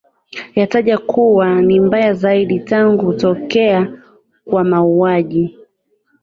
yatajwa kuwa ni mbaya zaidi tangu tokea kwa mauwaji